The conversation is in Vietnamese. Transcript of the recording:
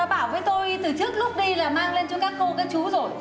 bảo với tôi từ trước lúc đi là mang lên cho các cô các chú rồi